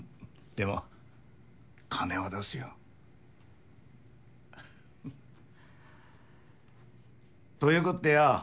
でも金は出すよ。ということでよ